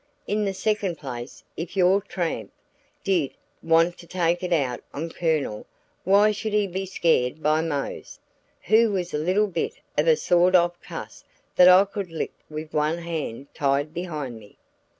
In the second place if your tramp did want to take it out on the Colonel why should he be scared by Mose, who was a little bit of a sawed off cuss that I could lick with one hand tied behind me?